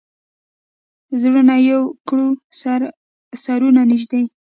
زړونه یو کړو، سرونه نژدې